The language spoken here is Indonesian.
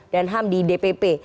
dan ham di dpp